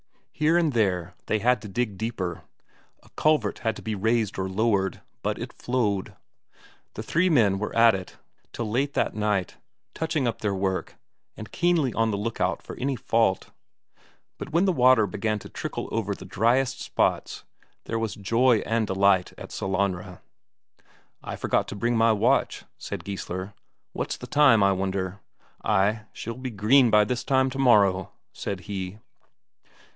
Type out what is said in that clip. Here and there they had to dig deeper, a culvert had to be raised or lowered, but it flowed. The three men were at it till late that night, touching up their work, and keenly on the look out for any fault. But when the water began to trickle out over the driest spots, there was joy and delight at Sellanraa. "I forgot to bring my watch," said Geissler. "What's the time, I wonder? Ay, she'll be green by this time tomorrow!" said he.